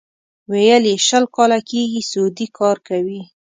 ویل یې شل کاله کېږي سعودي کار کوي.